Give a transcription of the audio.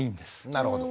なるほど。